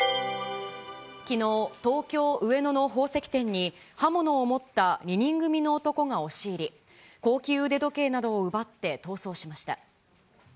きのう、東京・上野の宝石店に、刃物を持った２人組の男が押し入り、高級腕時計などを奪って逃走しました。